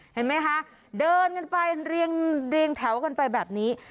เห็นไหมคะเดินกันไปเรียงแถวกันไปแบบนี้